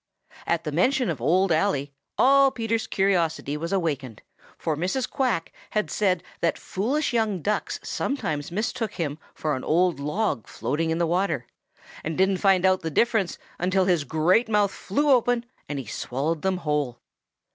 At the mention of Old Ally, all Peter's curiosity was awakened, for Mrs. Quack had said that foolish young ducks sometimes mistook him for an old log floating in the water and didn't find out the difference until his great mouth flew open and he swallowed them whole.